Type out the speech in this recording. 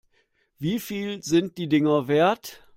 Wie viel sind die Dinger wert?